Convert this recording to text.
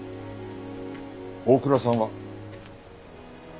大倉さんは？